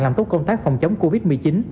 làm tốt công tác phòng chống covid một mươi chín